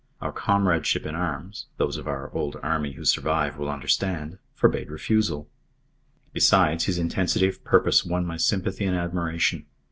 Our comradeship in arms those of our old Army who survive will understand forbade refusal. Besides, his intensity of purpose won my sympathy and admiration.